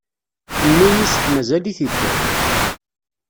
Mmi Yusef mazal-it idder!